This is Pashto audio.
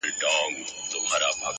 چي پاتېږي له نسلونو تر نسلونو!!!!!